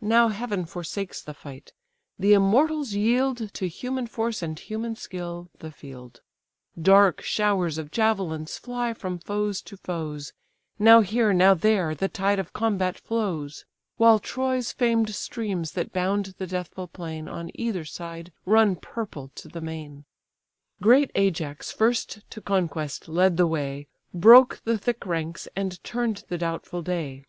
Now heaven forsakes the fight: the immortals yield To human force and human skill the field: Dark showers of javelins fly from foes to foes; Now here, now there, the tide of combat flows; While Troy's famed streams, that bound the deathful plain On either side, run purple to the main. Great Ajax first to conquest led the way, Broke the thick ranks, and turn'd the doubtful day.